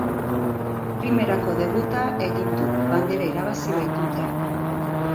Primerako debuta egin du, bandera irabazi baitute.